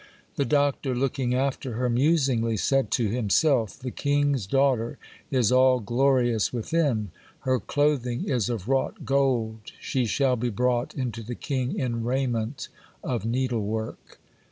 The Doctor, looking after her musingly, said to himself,—'"The king's daughter is all glorious within; her clothing is of wrought gold; she shall be brought into the king in raiment of needlework."